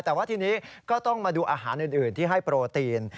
แต่ว่าทีนี้ก็ต้องมาดูอาหารอื่นที่ให้โปรตีน